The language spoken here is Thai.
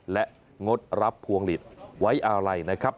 และงดรับพวงหลีดไว้อาลัยนะครับ